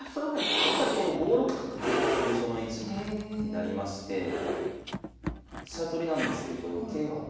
やっぱりこの５六角結構急所の位置になりまして飛車取りなんですけどこれ受けが。